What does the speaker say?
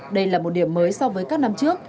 đây là một điểm mới so với các năm trước